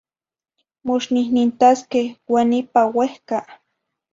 Mox nihnintasque? Huan ipa uehca.